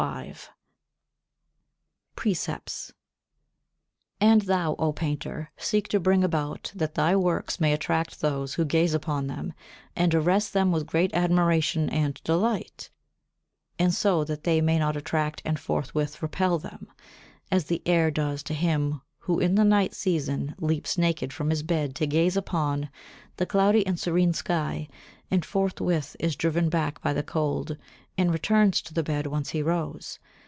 [Sidenote: Precepts] 48. And thou, O painter, seek to bring about that thy works may attract those who gaze upon them and arrest them with great admiration and delight; and so that they may not attract and forthwith repel them, as the air does to him who in the night season leaps naked from his bed to gaze upon the cloudy and serene sky and forthwith is driven back by the cold, and returns to the bed whence he rose.